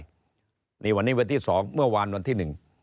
นี่คือวันนี้เวลาที่๒ขับวันที่๑